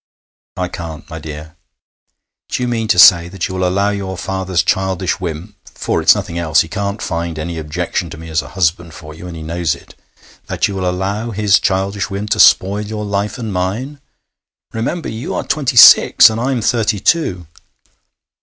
'I can't, my dear.' 'Do you mean to say that you will allow your father's childish whim for it's nothing else; he can't find any objection to me as a husband for you, and he knows it that you will allow his childish whim to spoil your life and mine? Remember, you are twenty six and I am thirty two.'